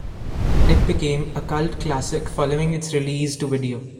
It became a cult classic following its release to video.